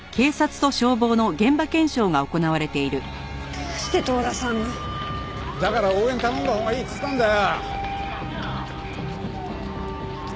「」「」どうして遠田さんが？だから応援頼んだほうがいいっつったんだよ！